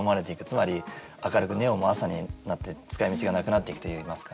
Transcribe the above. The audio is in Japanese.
つまり明るくネオンも朝になって使いみちがなくなっていくといいますか。